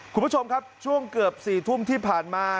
คุณผู้ชมครับช่วงเกือบ๔ทุ่มที่ผ่านมา